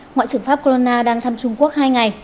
ngoại trưởng pháp corona đang thăm trung quốc hai ngày